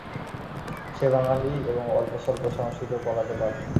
সে বাঙালী এবং অল্পস্বল্প সংস্কৃত পড়াতে পারবে।